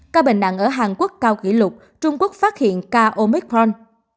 ca bệnh nặng ở hàn quốc cao kỷ lục trung quốc phát hiện ca omicron